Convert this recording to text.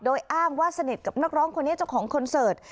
โดยอ้างว่าสนิทกับนักร้องคนนี้เจ้าของคอนเสิร์ต